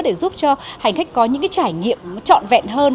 để giúp cho hành khách có những cái trải nghiệm trọn vẹn hơn